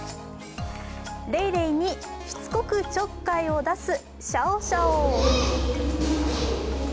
レイレイに、しつこくちょっかいを出すシャオシャオ。